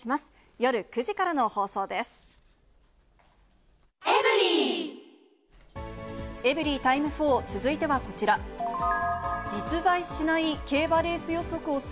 夜９時からの放送です。